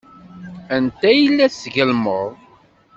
Anta ay la d-tgellmed?